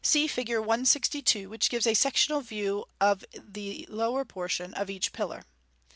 (See Fig. 162, which gives a sec tional view of the lower portion of each pillar.)